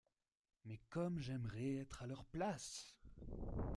Mais comme j’aimerais être à leur place!